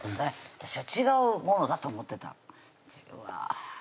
私は違うものだと思ってたうわ